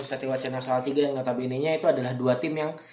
satiwa channel salah tiga yang notabene nya itu adalah dua team yang